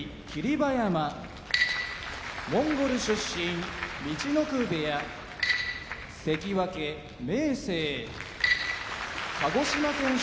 馬山モンゴル出身陸奥部屋関脇・明生鹿児島県出身